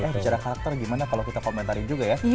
eh bicara karakter gimana kalau kita komentarin juga ya